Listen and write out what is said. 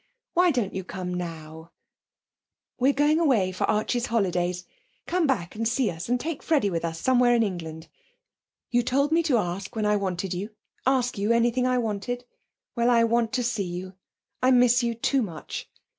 Why don't you come now? 'We're going away for Archie's holidays. Come back and see us and take Freddie with us somewhere in England. You told me to ask you when I wanted you ask you anything I wanted. Well, I want to see you. I miss you too much.